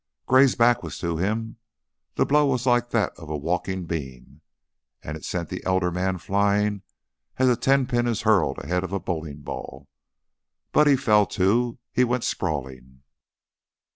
Gray's back was to him, the blow was like that of a walking beam, and it sent the elder man flying as a tenpin is hurled ahead of a bowling ball. Buddy fell, too. He went sprawling.